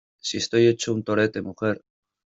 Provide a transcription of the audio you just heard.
si estoy hecho un torete, mujer.